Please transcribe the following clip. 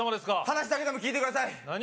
話だけでも聞いてください何？